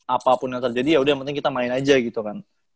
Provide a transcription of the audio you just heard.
apapun yang terjadi yaudah yang penting kita main aja gitu kan